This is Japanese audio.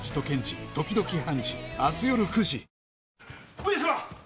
上様‼